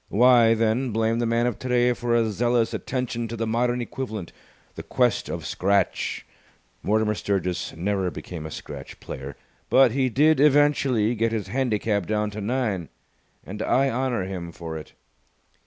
Why, then, blame the man of today for a zealous attention to the modern equivalent, the Quest of Scratch! Mortimer Sturgis never became a scratch player, but he did eventually get his handicap down to nine, and I honour him for it.